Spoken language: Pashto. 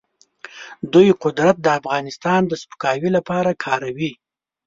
دوی قدرت د افغانستان د سپکاوي لپاره کاروي.